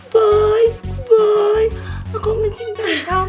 boy boy aku mencintai kamu